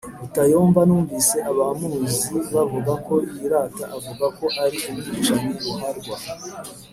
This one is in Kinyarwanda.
Rutayomba numvise abamuzi bavuga ko yirata avuga ko ari umwicanyi ruharwa